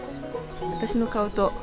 私の顔と。